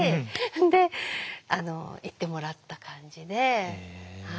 で行ってもらった感じで。